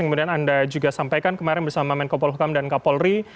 kemudian anda juga sampaikan kemarin bersama menko polhukam dan kapolri